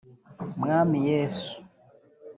‘Mwami Yesu’